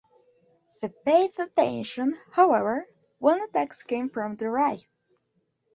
They paid attention, however, when attacks came from the right.